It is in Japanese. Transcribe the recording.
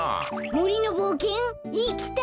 もりのぼうけん？いきたい！